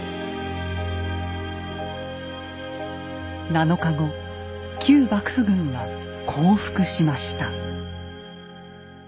７日後旧幕府軍は降伏しました。